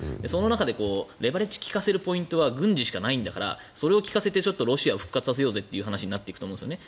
その中でレバレッジを利かせるポイントは軍事しかないんだからそれを聞かせてロシアを復活させようという話になると思います。